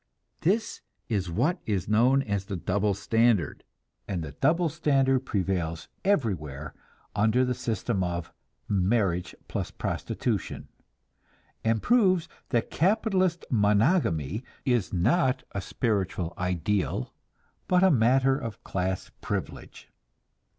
This is what is known as the "double standard," and the double standard prevails everywhere under the system of marriage plus prostitution, and proves that capitalist "monogamy" is not a spiritual ideal, but a matter of class privilege.